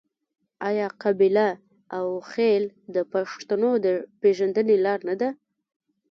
آیا قبیله او خیل د پښتنو د پیژندنې لار نه ده؟